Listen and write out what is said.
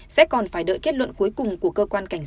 sẽ còn phải đợi kết luận cuối cùng của cơ quan cảnh sát